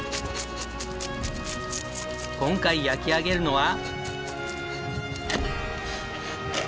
今回焼き上げるのは。